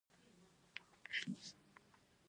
افغانستان په بامیان باندې تکیه لري.